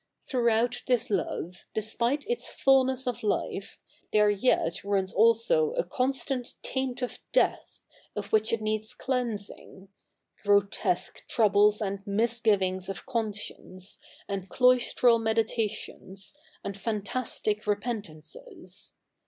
Thr'oughout this love, despite its fuhiess of life, the7 e yet runs also a constant taint of death, of ivhich it needs cleansi7ig — g7'otesque tr oubles and 77iisgivings of conscience, a7id cloist7'al 77ieditations, and fa7i last ic 7'epen fauces.